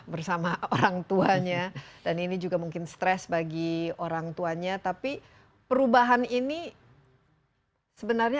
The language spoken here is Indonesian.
bersama orang tuanya dan ini juga mungkin stres bagi orang tuanya tapi perubahan ini sebenarnya